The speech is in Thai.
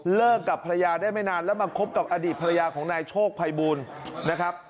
กับภรรยาได้ไม่นานแล้วมาคบกับอดีตภรรยาของนายโชคภัยบูลนะครับ